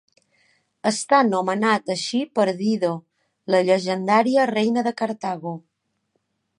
Està nomenat així per Dido, la llegendària reina de Cartago.